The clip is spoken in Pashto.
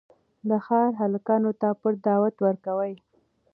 د ښار هلکانو ته پټ دعوت ورکوي.